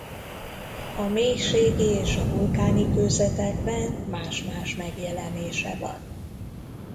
A mélységi és a vulkáni kőzetekben más-más megjelenése van.